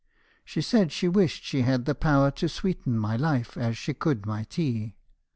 She said she wished she had the power to sweeten my life as she could my tea.